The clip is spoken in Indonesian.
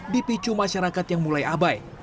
dipicu masyarakat yang mulai abai